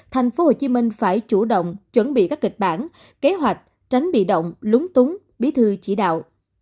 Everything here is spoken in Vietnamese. tp hcm phải chủ động chuẩn bị các kịch bản kế hoạch tránh bị động lúng túng bí thư chỉ đạo